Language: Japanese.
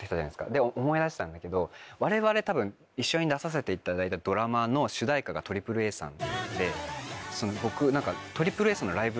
で思い出したんだけど我々多分一緒に出させていただいたドラマの主題歌がＡＡＡさんで僕。